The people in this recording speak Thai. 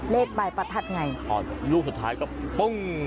เลขใบประทัดไงอ๋อลูกสุดท้ายก็ปึ้ง